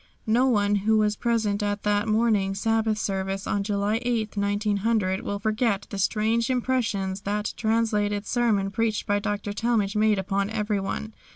No one who was present at that morning Sabbath service on July 8, 1900, will forget the strange impressions that translated sermon preached by Dr. Talmage made upon everyone.